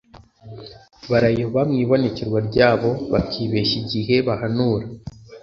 barayoba mu ibonekerwa ryabo, bakibeshya igihe bahanura.